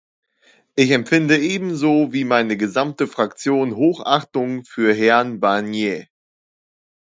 Ich empfinde ebenso wie meine gesamte Fraktion Hochachtung für Herrn Barnier.